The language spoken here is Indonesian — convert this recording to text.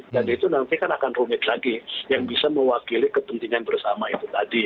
dan itu nanti akan rumit lagi yang bisa mewakili kepentingan bersama itu tadi